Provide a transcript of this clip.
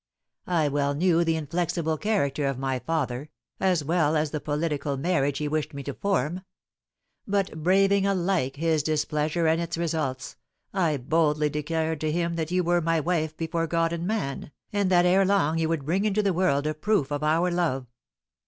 I well knew the inflexible character of my father, as well as the political marriage he wished me to form; but braving alike his displeasure and its results, I boldly declared to him that you were my wife before God and man, and that ere long you would bring into the world a proof of our love.